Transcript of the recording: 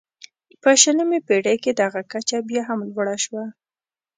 په شلمې پېړۍ کې دغه کچه بیا هم لوړه شوه.